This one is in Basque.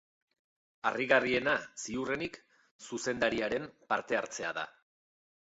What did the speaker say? Harrigarriena, ziurrenik, zuzendariaren partehartzea da.